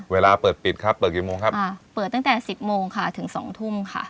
เวลาเปิดปิดครับเปิดกี่โมงครับอ่าเปิดตั้งแต่สิบโมงค่ะถึงสองทุ่มค่ะ